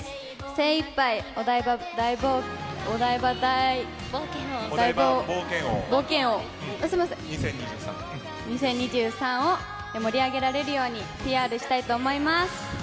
精いっぱいお台場冒険王２０２３を盛り上げられるようにＰＲしたいと思います。